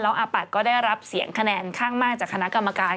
อาปัดก็ได้รับเสียงคะแนนข้างมากจากคณะกรรมการ